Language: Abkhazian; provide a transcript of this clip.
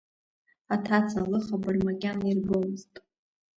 Аҭаца лыхабар макьана ирбомызт.